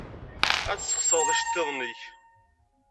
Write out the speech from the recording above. Ad tesxeṣreḍ iceḍḍiḍen-nnek.